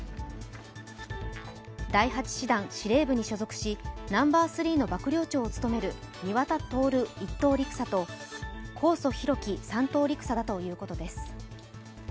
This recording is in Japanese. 第８師団司令部に所属しナンバー３の幕僚長を務める庭田徹１等陸佐と神尊皓基３等陸佐だということです